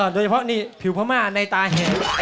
ดีเพราะผิวพมาต์ในตาเห็น